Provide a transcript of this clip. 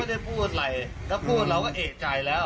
ได้พูดอะไรถ้าพูดเราก็เอกใจแล้ว